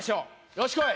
よしこい。